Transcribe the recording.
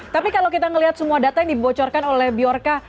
tapi kalau kita melihat semua data yang dibocorkan oleh bjorka